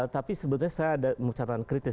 tapi sebetulnya saya ada catatan kritis